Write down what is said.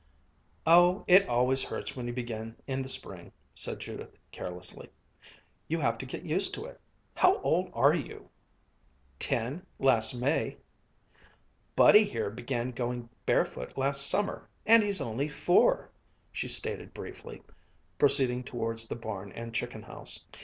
"Oh, it always hurts when you begin in the spring," said Judith carelessly. "You have to get used to it. How old are you?" "Ten, last May." "Buddy here began going barefoot last summer and he's only four," she stated briefly, proceeding towards the barn and chicken house.